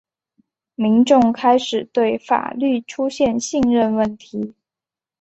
民众开始对法律出现信任问题。